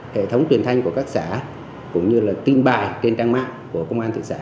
hệ thống truyền thanh của các xã cũng như là tin bài trên trang mạng của công an thị xã